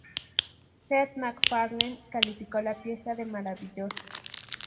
Seth MacFarlane calificó la pieza de "maravillosa".